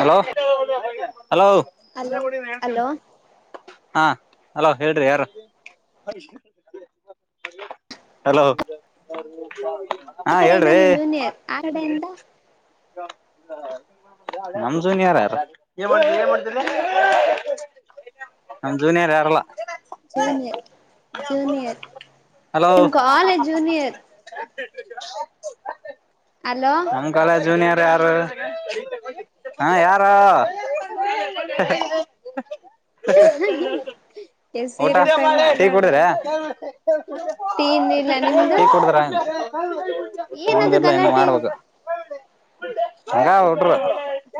Hello hello hello hello ಹಾ hello ಹೇಳ್ರಿ ಯಾರು ಹಲೋ. ಹಾ ಈ ಕಡೆೆಯಿಂದ ಹೇಳ್ರಿ ನಿಮ ಜೂನಿಯರ್ ಆ ಕಡೆಯಿಂದ. ನಮ ಜೂನಿಯರ್ ಯಾರ ನಮ ಜೂನಿಯರ್ ಯಾರಲ್ಲ. ಜೂನಿಯರ್ ಜೂನಿಯರ್ ನಿಮ್ ಕಾಲೇಜ್ ಜೂನಿಯರ್. ಅಲೋ [inaudible] ನಮ ಕಾಲೇಜ್ ಜುನಿಯರ್. ಯಾರು ಹೇಳ್ ಯಾರ [unintelligible] ಊಟ ಸೀರಿಯಸ್ ಆಗಿ ಟೀ ಮಾತಾಡು ಕುಡಿದ್ರ ಟೀ ಇನ್ನಿಲ್ಲ ನಿಮ್ದು ಟೀ ಕುಡಿದ್ರ. ಏನದು ಹೌ. [inaudible] ಗಲಾಟೆ ಮಾಡ್ಬೇಕು. ಹಂಗ ಅವ ಹುಡುಗ್ರು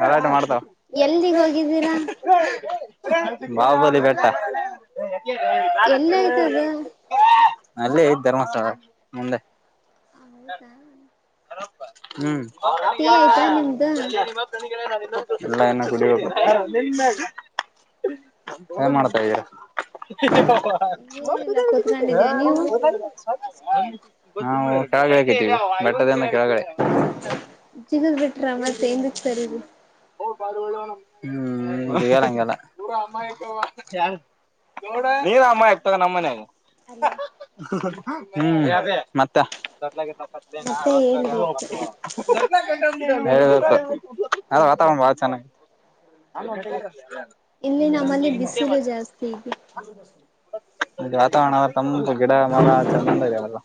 ಗಲಾಟೆ ಮಾಡ್ತಾವ. ಎಲ್ಲಿಗ ಹೋಗಿದ್ದೀರಾ. ಬಾಹುಬಲಿ ಬೆಟ್ಟ. ಎಲ್ಲಿ ಆಯ್ತದ [unintelligible] ಅಲ್ಲೇ ಐತಿ ಧರ್ಮಸ್ಥಳ ಮುಂದೆ. ಹ ಹೌದಾ ಹ್ಮ್ ಟೀ ಬೆನ್ನ ಆಯ್ತಾ ಕ ನಿಮ್ದು ನ [unintelligible] ಇಲ್ಲ ಇನ್ನ ಕುಡಿಬೇಕು. ಹಾ ನ ಮ [inaudible] ಏನ್ ಮಾಡ್ತಾ ಇದೀರಾ. ಹ [inaudible] ಏನಿಲ್ಲ ಕೂತ್ಕೊಂಡಿದೀವಿ ನೀವು ನಾವು ಕಾಗೆ ಹಕಿದ್ದೀವಿ [inaudible] ಅದೇನಕ್ಕ ಕೆಳಗಡೆ ತಿನ್ನೋದ ಬಿಟ್ರ ಮತ್ತೆ [inaudible] ನೀನ್ ಅಮ್ಮಾ ಇರ್ತಾರ ನಮ್ಮನ್ಗಿ ಅಲೋ [inaudible] ಹ್ಮ್ ಮತ್ತ. ದಲೇತ ಮತ್ತೆ [unintelligible] ಹೇಳ್ಬೇಕು ಹೇಳ್ಬೇಕು. ಆದ್ರ ವಾತಾವರಣ ಬಾಳ ಚೆನ್ನಗೇತಿ. ಇಲ್ಲಿ ನಮ್ಮಲ್ಲಿ ಬಿಸಿಲು ಜಾಸ್ತಿ ಇದೆ ವಾತಾವರಣ ಆದ ತಂಪ ಗಿಡ ಮರ ಚಂದ ಅದ ಎಲ್ಲ.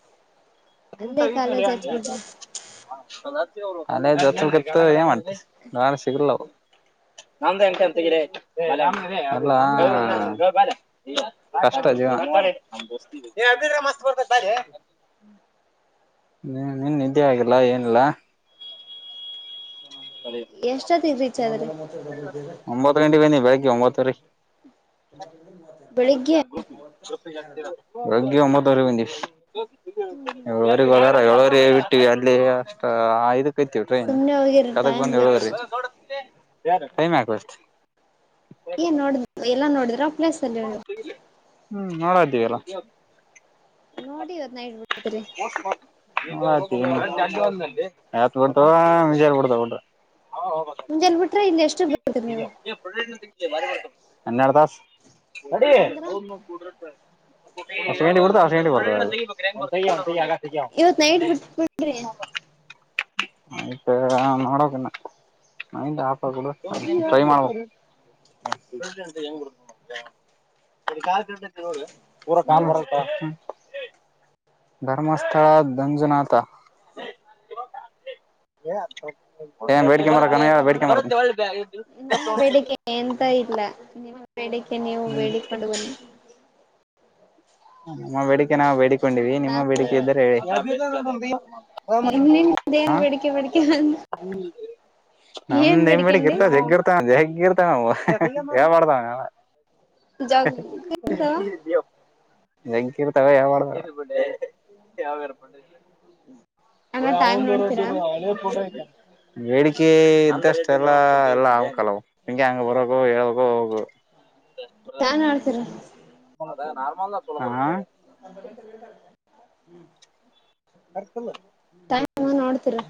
ಅಲ್ಲೇ ಕಾಲೇಜ್ ಹಚ್ಬಿಡ್ರಿ [unintelligible] ನಾನ್ ಸಿಗರ್ಲ್ಲ ನಮ್ದ ಎಂಕ ಎಂತಗೀರಿ ಅಲ್ಲಾ ಕಷ್ಟ ಜೀವನ ನೀನೇ ನಿದ್ದೆ ಆಗಿಲ್ಲ ಏನಿಲ್ಲ. ಎಷ್ಟೊತ್ತಿಗೆ ರೀಚ್ ಆದ್ರಿ ಒಂಬತು ಗಂಟೆಗೆ ಬಂದಿವಿ ಒಂಬತ್ತುವರಿ ಬೆಳಿಗ್ಗೆ ಬೆಳಗೆ ಒಂಬತ್ ವರಿ ಬಂದಿವಿ ಏಳುವರೀಗ್ ಬರೋರ್ ಏಳುವರಿ ೇವಿಟ್ಟವಿ ಅಲ್ಲಿ ಅಷ್ಟ ಐದು ಸುಮ್ನೆ ಹೋಗಿರ ಅದಕ್ ಟೈಮ್ ಬಂದಿವಿ ಏಳುವರಿಗ್. ವೇಸ್ಟ್ ಯಾರು ಟೈಮ್ ಯಾಕ್ ವೇಸ್ಟ್ ಏನ್ ನೋಡ ಎಲ್ಲಾ ನೋಡಿದ್ರ ಪ್ಲೇಸ್ ಅಲ್ಲಿ [unintelligible] ಹ್ಮ್ ನೋಡತೀವಿ ಅಲ್ಲ. ನೋಡಿ ಇವತ್ ನೈಟ್ ಬಿಡ್ತೀರಿ. [unintelligible] [inaudible] ಮುಂಜೆಲ್ ಬಿಟ್ರೆ ಇಲ್ಲಿ ಎಷ್ಟು ಬಿಡ್ತರಿ ನೀವು ಹನೆರೆಡ್ತಾಸ್ ನಡಿ ಅಂದ್ರ [unintelligible] [unintelligible] ಇವತ್ ನೈಟ್ ಬಿಟ್ ಬಿಿಡ್ರಿ. ನೈಟ್ ನೋಡ್ಬೇಕ್ ಇನ್ನ ನೈಟ್ ಆಗುತ್ಬಿಡ್ ಟ್ರೈ ಮಾಡ್ಬೇಕ್ ಇನ್ನ ನೀವು [unintelligible] [unintelligible] ಧರ್ಮಸ್ಥಳ ದಂಜುನಾಥ ಏನ್ ಬೇಡ್ಕನ್ ಬರ್ಬೆಕ್ ಏನ್ ಹೇಳು ಬೇಡ್ಕೊಂಡು ಬರ್ತೀನಿ ನನ್ನ ಬೇಡಿಕೆ ಎಂತ ಇಲ್ಲ. ನಿಮಗ್ ಬೇಡಿಕೆ ನೀವು ಬೇಡಿಕಡುವಲಿ. ನಮ್ಮ ಬೇಡಿಕೆ ನಾವ್ ಬೇಡಿಕ್ ೊಂಡ ನಿಮ್ಮ ನಾನು ಬೇಡಿಕೆ ಇದರೆ ಹೇಳಿ ನಿಮ್ದ ಏನ್ ಬೇಡಿಕೆ ಬೇಡಿಕೆ ಬಂದ ಏನ್ ನಮ್ದೇಮ್ ಬೇಡಿಕ ಬೇಡಿಕೆಂಡಿ ಇರ್ತ ಜಗ್ಗಿರ್ತವ್ ಜಗ್ಗಿ ಜಾಗಿರ್ತಾವ ನಮೂವು ಹೇಳ್ಬರ್ದು ಅಂಗೆಲ್ಲಾ. ಜಗ್ಗಿ ಇರ್ತವ. ಜಗ್ಗಿ ಇರ್ತವ ಹೇಳ್ಬರ್ದು. ಅಣ್ಣ ಟೈಮ್ ನೋಡ್ತೀರಾ ಬೇಡಿಕೆ ಇದ್ದಷ್ಟ. ಎಲ್ಲ ಎಲ್ಲಾ ಆಕಲ್ಲ ಹಿಂಗೆ ಹೆಂಗ ಬರಕು ಹೇಳಕು ಹೋಗ ಚಾನ್ ಆಡ್ತೀರ [inaudible] ನಾರ್ಮಲ್ ಅ ಹ್ಮ ಟ್ ನೋಡ್ತೀರಾ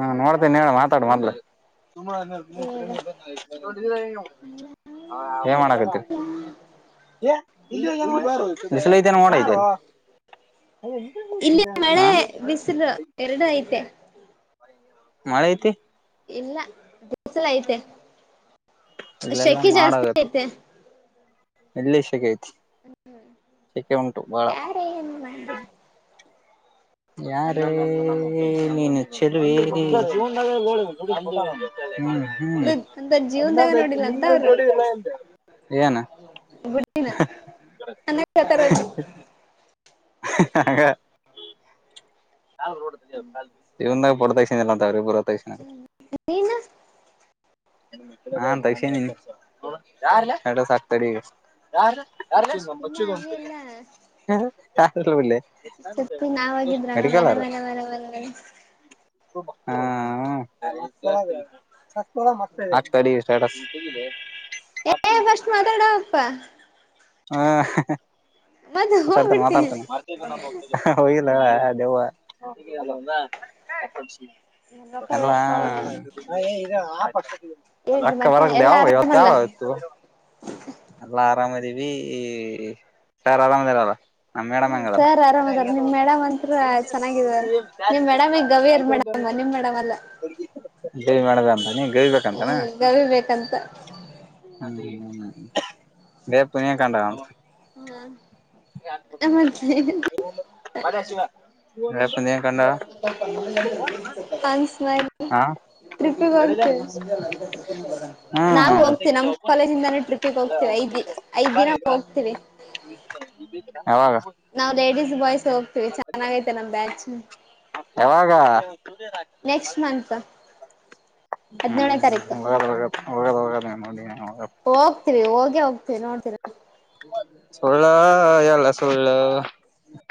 ಹಾ ನೋಡ್ತೇನ ಹೇಳ ಮಾತಾಡ ಮದ್ಲ ಹೇಳ ಏ ಮಾಡಕರಿ. ಬಿಸಲು ಐತೆನೆ ನೋಡಐತೆ ಇಲ್ಲಿ ಮಳೆ ಬಿಸಿಲು ಎರಡು ಐತೆ ಮಳೆಐತಿ ಇಲ್ಲ ದಸಲ ಐತೆ ಇಲ್ಲೆಲ್ಲಾ ಶಕಿ ಜಾಸ್ತಿ ಐತೆ [unintelligible] ಚಕ್ಕೆೆ ಉಂಟು ಬಾಳ ಯಾರ ಏನ್ ಮಾಡಿದ ಯಾರ ನೀನು ಚೆಲುವೆ ಹ್ಮ್ ಹ್ಮ್ ಅಂತ ಜೀವನ್ದಾಗ ನೋಡಿಲ್ಲ ಅಂತ ಅವ್ರು ಏನ [inaudible] ಗುಡಿನ ಅನ್ನಕತಾರಲ್ಲಿ ಹ. [inaudible] ಇವಂದಾಗ ಪಡ್ತಾಲ್ಲಾವ್ರೆರ ನೀನು ಹಾ ತಕ್ಷಣ ಆಕ್ತಾಡಿ ಈಗ [inaudible] ಇಲ್ಲ ಹಾಗೆ ಹುಗತ. ಇಲ್ಲ [unintelligible] [unintelligible] ಶಂತ [unintelligible] ಹ ವಲೆ ವಲೆ ವಲೆ ವಲ್ಲ ಹ್ಮ ಮ ಆಕ ಸ [unintelligible] ಏ ಫಸ್ಟ್ ಮಾತಾಡಪ್ಪ ಹಾ. ಮತ್ತ ಮಾತಾಡ್ತೇನೆ ಹೋಗ್ಬಿಡ್ತೀನಿ ಮಾತಾಡ್ತೇನೆ ಹೋಗಿಲ್ಲ. ವು. [inaudible] ರೊಕ್ಕ ಅಲ್ಲಾ ವೇಸ್ಟ್ ಆ ಮಾಡಬೇಡ [inaudible] ಏನ್ರಿ ಆಕ್ಕ ಮತ್ತೆ ವರ್ಕ್ದೆ ಎಲ್ಲಾ ಅವ ಹೊತ್ತೆ ಆರಾಮಲ್ಲ ಅವತು. ಅಲ್ಲ ಆರಾಮದೆವಿ ಸಾರ ಆರಾಮದರಲ್ಲ. ಹ ಸರ್ ಆರಾಮ್ ಅದಾರ ನಿಮ್ ಮೇಡಮ್ ಅಂತ್ರ ಚೆನ್ನಾಗಿದಾರ ನಿಮ್ ಮೇಡ್ಗೆ ಗವ್ಯರ್ ಮೇಡಮ ನಿಮ್ ಮೇಡಮ್ ಅಲ್ಲ. ಮೇಡ [inaudible] ಹ್ಮ ಗರಿಬೇಕಂತ. ಅ ಹ್ಮ ಬೇ ಪುನಿಯ ಕಂಡ ಹ್ಮ್ ನಮ್ಮಜ್ಜಿ ದೇ ಪುನಿಯ ಕಂಡ ಅನ್್ಮ ಹ ಟ್ರಿಪ್ಪಿಗೆ ಹೋಗ್ತವಿ ಹ್ಮ್ ನಾವು ಹೋಗ್ತವಿ ನಮ್ ಕಾಲೇಜಿಂದಾನ ಟ್ರಿಪ್ಪಿಗೆ ಹೋಗ್ತವಿ ಐದ್ ಐದ್ ದಿನ ಹೋಗ್ತವಿ ಯಾವಾಗ ನಾವವು್ ಲೇಡಿಸಸ್ ಬಾಯ್ಸ್ ಹೋಗ್ತೀವಿ ಚೆನ್ನಾಗೈತೆ ನಮ್ ಬ್ಯಾಚ್. ಯಾವಾಗ ನೆಕ್ಸ್ಟ್ ಮಂತ್ ಹದಿನೇಳನ ಹ್ಮ್ ತಾರೀಕು. ಹೋಗದ್ ಹೋಗದ್ ಹೋಗದ್ ಹೋಗದ್ ನೋಡಿ ಹೋಗ್ತಿರಿ ಹೋಗಿ ಹೋಗ್ ಮೇ ನೋಡ್ತೀರಾ. ಹ ಎಲ್ಲ ಸುಳ್ಳ.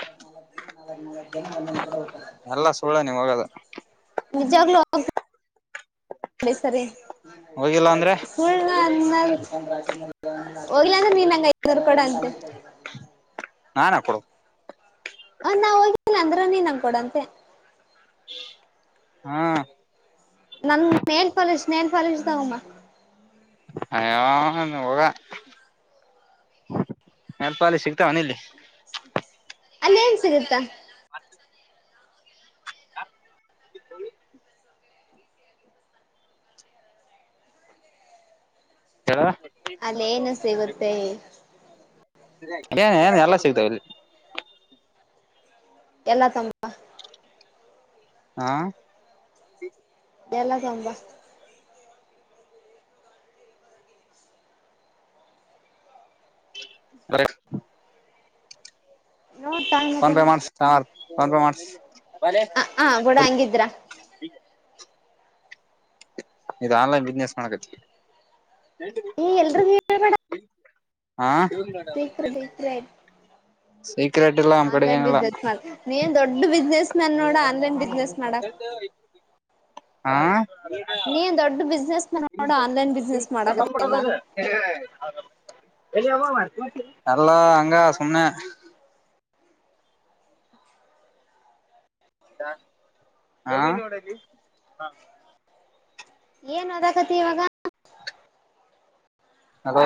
ಹ್ಮ್ಮ್. ನ ಮ ಎಲ್ಲ ಸುಳ್ಳ ನೀವ್ ಹೋಗದ ನಿ ಜಾಗಲ ಸರಿ. ಹೋಗಿಲ್ಲ ಅಂದ್ರೆ ಸಲ್ ಅ. ಹೋಗ್ಲ ಅಂದ್ರೆ ನೀನ್ಂಗಗೆ ಐದವರು ಕೊಡ ಅಂತೆ. ನಾನ್ ಹ ಕೊಡ ಹ ನಾ ಹೋಗಿದ್ದಿಲ್ಲ ಅಂದ್ರ ನೀನ್ಂಗಕ ಕೊಡಂತೆ ಹಾ ನನ್ ಮೇನ್ ಫಾಲಷ್ ನೇನ್ ಫಾಲಷ್ ತಗಮ್ಮ ಅಯ ಹೋಗ ನೆಲ್ಪ ಅಲ ಸಿಗ್ತಾವನ ಇಲ್ಲಿ ಅಲ್ಲಿ ಏನ್ ಸಿಗುತ್ತಾ. ಹ ಅಲ್ಲ ಏನು ಸಿಗುತ್ತೆ ಏನ್ ಏನ್ ಎಲ್ಲಾ ಸಿಗ್ತಾವ ಇಲ್ಲಿ ಎಲ್ಲಾ ತಂಪ. ಹಾ ಎಲ್ಲ ತಂಬ. ಅರ ನೋ ಟೈಮ್ ಹತನೆ ಒಪ ಮಾಡಸ. ಹ ಹ ಬೂಡ ಹಂಗಿದ್ರ. ಇ ಆನ್ಲೈನ್ ಬಿಸ್ನೆಸ್ ಮಾಡಕ ಈ ಎಲ್ರಿಗೂ ಹೇಳ್ಬೇಡ ಹ ಬೇಕ್ರ ಬೇಕ ರೇ ಸೀಕ್ರೆಟ್ ಇಲ್ಲ ನಮ್ ಕಡೆ ಆನ್ಲನ್ ಏನಿಲ್ಲ ಬಿಸ್ನೆಸ್ ನೀಏನ್ ದೊಡ್ಡ ಬಿಸ್ನೆಸ್ ನನ್ ನೋಡ ಆನ್ಲನ್ ಬಿಸ್ನೆಸ್ ಮಾಡಕ್ ಹಾ ಟ ನೀನ್ ದೊಡ್ಡ ಬಿಸ್ನೆಸ್ ಮ್ಯಾನ್ ನೋಡ ಆನ್ಲೈನ್ ಬಿಸ್ನೆಸ್ ಮಾಡಕತ್ತಿಯಲ್ಲ ಇ ನಲ್ಲಾ ಹಂಗಾ ಸನ್ನ ಹ ಏನ್ ಓದಾಕತಿ ಇವಾಗ ಅದ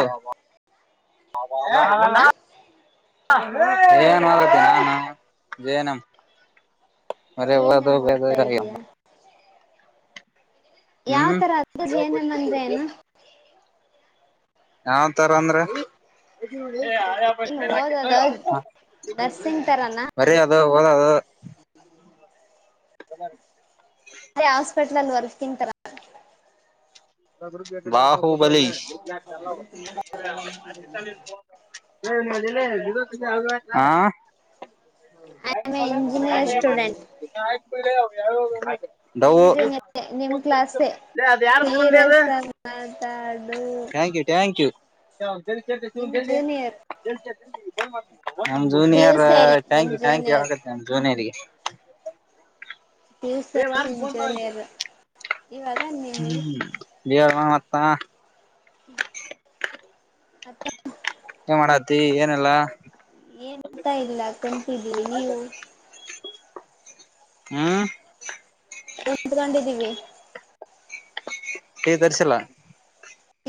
ಹ. ಆ ಾ ಏನ್ ಮಾಡತ್ತ ನ ಜನ ಜಿ ಎನ್ ಎಂ ಓದ್ತಾ ಇದೀಯಾ ಯಾವ ಹ್ಮ್ ತರ ಅದ ಜೆ ನ್ ಎಂ ಅಂದ್ರೆ ಏನು. ಯಾವ್ ತರ ಅಂದ್ರಹ್ಮ್ ಏನು ಓದದ ನರ್ಸಿಂಗ್ ತರನಾ ಬರಿ ಅದು ಹದದು. ಹ್ಮ್ಮ್. ಅರೇ ಹಾಸ್ಪಿಟ್ಲ್ ಅಲ್ಲಿ ವರ್ ತಿಂತಾರ ಪ್ರಗೃತಿ. ಬಾಹುಬಲಿ ಹಾ I am a engineer student ಹ ನಿಮ್ ಎ ಯ ಈ ರಸ್ತ. ಥಾಂಕ್ ಯು ಥ್ಯಾಂಕ್ ಯು ಚ ನಿಮ್ ಸಿಗಚ ಜೂನಿಯರ್ ಮಾಡ್ತ. ನಮ್ ಪಿ ಯು ಜೂನಿಯರ್ ಸಿ ಅಲ್ಲಿ ಟ್ಯಾಂಕ್ ನಿಮ್ ಯು ಟ್ಯಾಂಕ್ ಯ ಜೂನಿಯರ್ ಆಗುತ್ತೆ ನ್ ಜೂನಿಯರ್ಗೆ. ದಿವ್ಸ ಎ ನಿಮ ಜೋನರು ಇವಾಗ ನಿಮ ಹತ್ತಾ ಹ್ಮ. ಮಾಡಾತಿ ಏನೆಲ್ಲಾ ಏನಂತ ಇಲ್ಲ ಕುಂತಿದ್ದೀರಿ ನೀವು. ಹ್ಮ್ ಉತ್ಕೊಂಡಿದ್ದೀವಿ. ಕೆದ್ರಿಸಿಲ್ಲ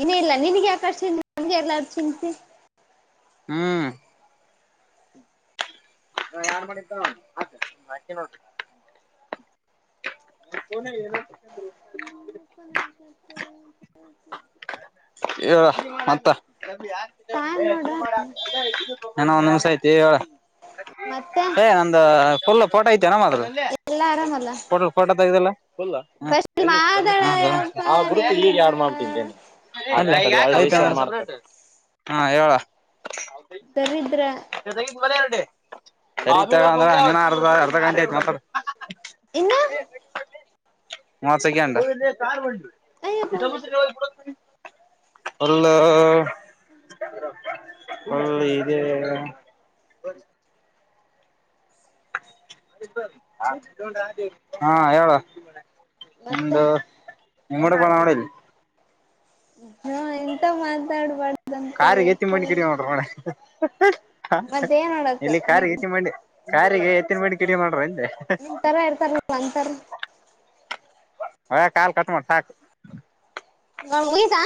ಇನ ಇಲ್ಲಾ ನೀನ್ಗ ಯಾಕ ಅಷ್ಟ ನಮ್ಗೆ ಇರ್ಲಾರ ಚಿಂತಿ. ಹ್ಮ್ ಹಾ ಯಾರ್ ಮಣ ಇದ್ದಕೆ ನೋಡ್. [unintelligible] [inaudible] ಹೇಳ ಮತ್ತ ಟೈಮ್ ನೋಡ ಹೀನ ಒನ್ ನಿಮ್ಸ ಐತ ಹೇಳ. ಮತ್ತೆ ಏ ನಂದ. ುಲ್ಲ ಪೋಟ ಐತಏ ನ ಮಾ್ರೆ [unintelligible] ಎಲ್ಲ ಆರಾಮಲ್ಲ ಪಟೋ ಪಟೋ ತಗದೆಲ್ಲ [unintelligible] ಪುಲ್ ಫಸ್ಟ್ ಎಲ್ಲಿದ್ದು ಧರ್ಮಸ್ಥ ಮಾದಳಯಪ್ಪ ಆ ಗುರುತ ಈಗ ನೀನ ಯಾಡ್ ಮಾಡಬಿಟ್ಟಿನ್ಲೆ. ಹಾ ಹೇಳ ದರಿದ್ರ ಎಾಗಿನರಟೆ. [unintelligible] ್ರ ಅರ್ಧ ಅರ್ಧ ಗಂಟೆ ಆಯತ್ ಮಾತಡ [unintelligible] ಇನ್ನು ಮಾಸಕೆಂಡ ಇಥ ಅಯ್ಯಪ್ಪ ಬಸಡ. [unintelligible] ಹಲೋ ಒಲ್ ಇದೆ. ಹಾ ಹೇಳ. ಮತ್ತ. ನಮ್ಮಡೆ ಬಳಾಡಲ್ [unintelligible] ಹಾ ಎಂತ ಮಾತಾಡ್ಬಾರ್ದಂತ ಕಾರಿಗೆ ಎತ್ತಿ ಎಪ್ಪ ಮಿ ಕಡ ನೋಡ್ರ ನೋಡ. ಹ ಹ್ ಹ ಮತ್ತೇನ್ ಮಾಡಕ್ ಎಲ್ಲಿ ಕಾರ್ ನಿಮ್ ಗಿತಿ ಮಾಡೆ. ಕಾರಿಗೆ ಎತ್ತಿನ ಬಡಿ ಕಿಡಿ ಮಾಡ್ರ ಅಂದೆ. ನಿಮ್ಮ ತರ ಇರ್ತಾರೆ ಅಂತಾರ. ಹ ಕಾಲ ಕಟ್ ಮಾಡ ಸಾಕ. ನಮ್ಮ್ ಉಯ್ದಾ